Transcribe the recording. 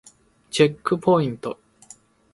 チェックポイント